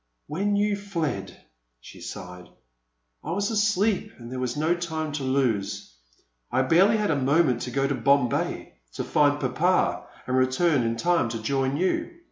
When you fled," she sighed, I was asleep and there was no time to lose. I barely had a moment to go to Bombay, to find Papa, and re turn in time to join you.